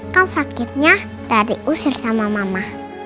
kan sakitnya dari usir sama mama